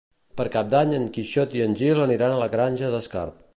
Per Cap d'Any en Quixot i en Gil aniran a la Granja d'Escarp.